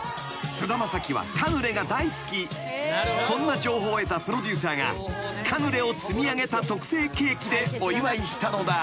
［そんな情報を得たプロデューサーがカヌレを積み上げた特製ケーキでお祝いしたのだ］